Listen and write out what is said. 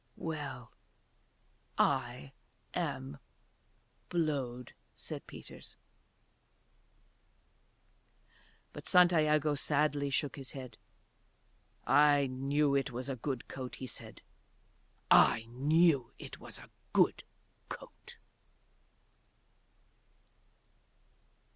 "Well I am blowed," said Peters. But Santiago sadly shook his head. "I knew it was a good coat," he said. "I knew it was a good coat."